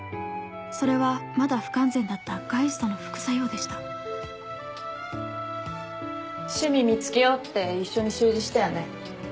それはまだ不完全だったガイストの副作用でした趣味見つけようって一緒に習字したよね？